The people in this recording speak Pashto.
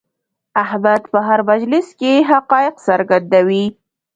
احمد په هر مجلس کې حقایق څرګندوي.